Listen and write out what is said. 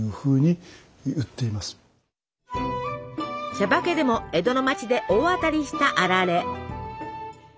「しゃばけ」でも江戸の町で大当たりしたあられ。